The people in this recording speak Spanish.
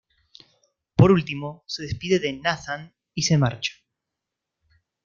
Por último se despide de Nathan y se marcha.